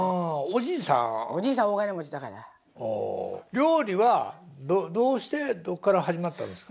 料理はどうしてどっから始まったんですか？